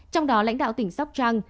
trong đó lãnh đạo tỉnh sóc trăng